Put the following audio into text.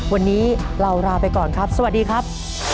วันนี้เราลาไปก่อนครับสวัสดีครับ